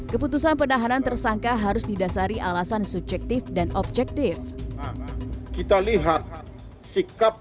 keputusan penahanan tersangka harus didasari alasan subjektif dan objektif kita lihat sikap